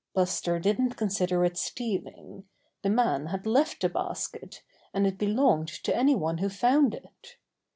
Buster didn't consider it stealing. The man had left the basket, and it belonged to any one who found it.